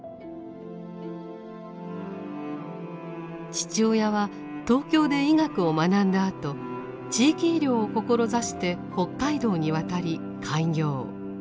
父親は東京で医学を学んだあと地域医療を志して北海道に渡り開業。